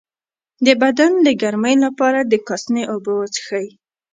د بدن د ګرمۍ لپاره د کاسني اوبه وڅښئ